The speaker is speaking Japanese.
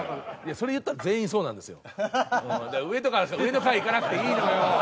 それ言ったら全員そうなんですよ。